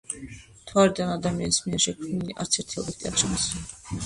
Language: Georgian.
მთვარიდან ადამიანის მიერ შექმნილი არც ერთი ობიექტი არ ჩანს.